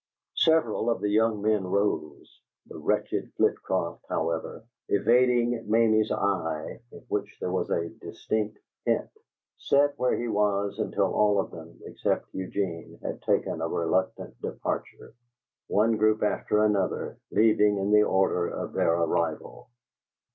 Several of the young men rose; the wretched Flitcroft, however, evading Mamie's eye in which there was a distinct hint, sat where he was until all of them, except Eugene, had taken a reluctant departure, one group after another, leaving in the order of their arrival.